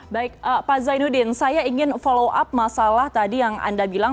baik pak zainuddin saya ingin follow up masalah tadi yang anda bilang